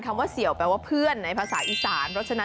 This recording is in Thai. คำว่าเสี่ยวแปลว่าเพื่อนในภาษาอีสาน